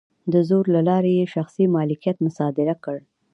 د زور له لارې یې شخصي مالکیت مصادره کړ.